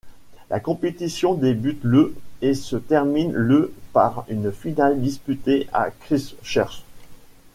La compétition débute le et se termine le par une finale disputée à Christchurch.